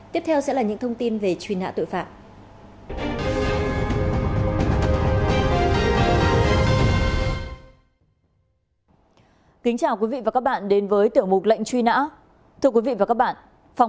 tiếp theo sẽ là những thông tin về truy nã tội phạm